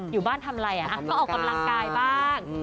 อยู่บ้านทำอะไรก็ออกกำลังกายบ้าง